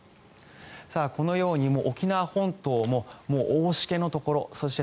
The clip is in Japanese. このように沖縄本島も大しけのところそして